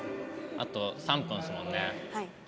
あと３分ですもんね。